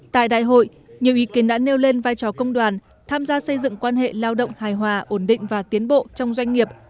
tại đại hội nhiều ý kiến đã nêu lên vai trò công đoàn tham gia xây dựng quan hệ lao động hài hòa ổn định và tiến bộ trong doanh nghiệp